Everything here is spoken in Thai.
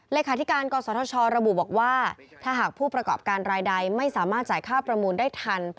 เลขาธิการกศธชระบุบอกว่าถ้าหากผู้ประกอบการรายใดไม่สามารถจ่ายค่าประมูลได้ทัน